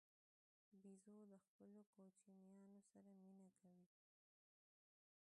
بیزو د خپلو کوچنیانو سره مینه کوي.